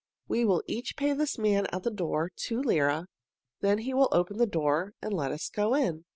We will each pay this man at the door two lire, then he will open the door and let us go in."